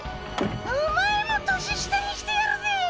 お前も年下にしてやるぜえ。